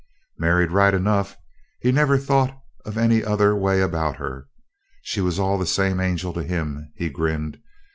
"Married, right enough he never thought any other way about her. She was all the same angel to him," he grinned.